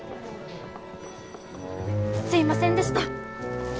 すいませんでした。